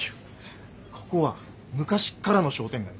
ここは昔っからの商店街。